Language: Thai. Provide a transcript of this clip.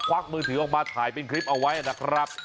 วักมือถือออกมาถ่ายเป็นคลิปเอาไว้นะครับ